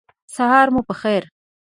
سهار مو په خیر !